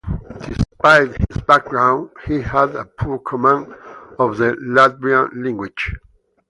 Despite his background, he had a poor command of the Latvian language.